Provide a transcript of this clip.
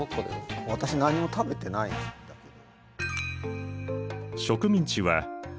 私何にも食べてないんだけど。